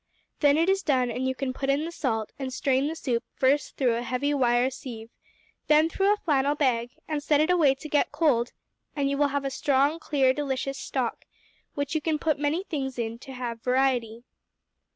Then it is done, and you can put in the salt, and strain the soup first through a heavy wire sieve, and then through a flannel bag, and set it away to get cold, and you will have a strong, clear, delicious stock, which you can put many things in to have variety.